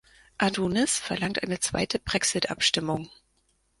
Adonis verlangt eine zweite Brexit-Abstimmung.